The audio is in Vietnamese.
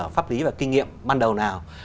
pháp lý và kinh nghiệm ban đầu nào